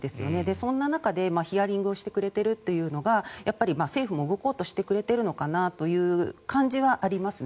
そんな中でヒアリングをしてくれているというのは政府も動こうとしてくれているのかなという感じはありますね。